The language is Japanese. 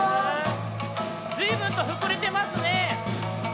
ずいぶんとふくれてますね。